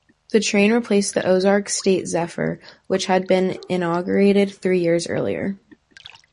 The train replaced the "Ozark State Zephyr", which had been inaugurated three years earlier.